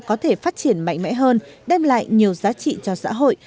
có thể phát triển mạnh mẽ hơn đem lại nhiều giá trị cho xã hội